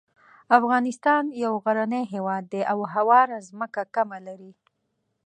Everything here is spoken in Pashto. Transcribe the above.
افغانستان یو غرنی هیواد دی او هواره ځمکه کمه لري.